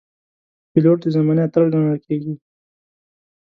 پیلوټ د زمانې اتل ګڼل کېږي.